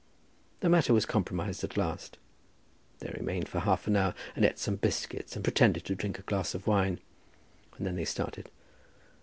The matter was compromised at last. They remained for half an hour, and ate some biscuits and pretended to drink a glass of wine, and then they started.